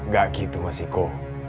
gak gitu mas iko